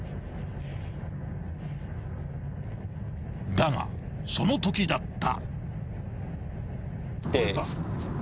［だがそのときだった］